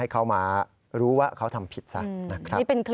เข้ามารู้ว่าเขาทำผิดซะนะครับ